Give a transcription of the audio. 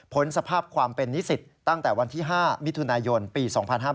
สภาพความเป็นนิสิตตั้งแต่วันที่๕มิถุนายนปี๒๕๕๙